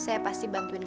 saya akan membantu kamu